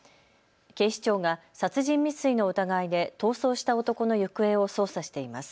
警視庁が殺人未遂の疑いで逃走した男の行方を捜査しています。